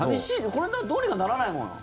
これどうにかならないものなの？